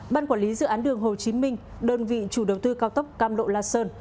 ban quản lý dự án đường hồ chí minh đơn vị chủ đầu tư cao tốc cam lộ la sơn